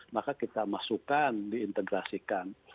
maka kita masukkan diintegrasikan